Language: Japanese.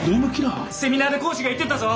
セミナーで講師が言ってたぞ。